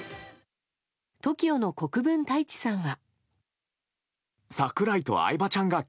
ＴＯＫＩＯの国分太一さんは。